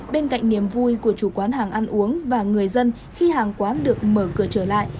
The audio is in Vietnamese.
bên cạnh niềm vui của chủ quán hàng ăn uống và người dân khi hàng quán được mở cửa trở lại